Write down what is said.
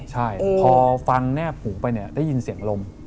ใช่พอฟังแนบหูไปเนี่ยได้ยินเสียงลม